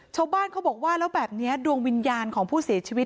ชาวบ้านเขาบอกว่าแล้วแบบนี้ดวงวิญญาณของผู้เสียชีวิต